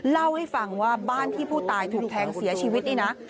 เล่าให้ฟังว่าบ้านที่ผู้ตายถูกแทงเสียชีวิตนี่นะ